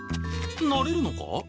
なれるのか？